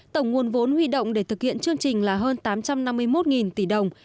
tổng nguồn vốn huy động để thực hiện chương trình là hơn tám trăm năm mươi một tỷ đồng